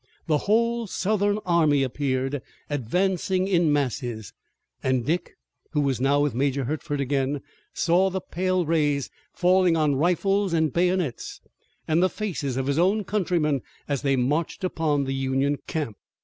The whole Southern army appeared, advancing in masses, and Dick, who was now with Major Hertford again, saw the pale rays falling on rifles and bayonets, and the faces of his own countrymen as they marched upon the Union camp.